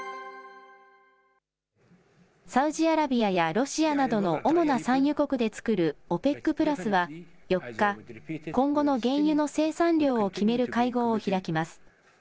サウジアラビアやロシアなどの主な産油国で作るＯＰＥＣプラスは４日、今後の原油の生産量を決める会合を開きます。